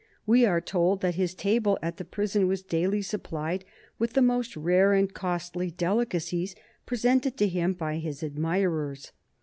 We are told that his table at the prison was daily supplied with the most rare and costly delicacies, presented to him by his admirers.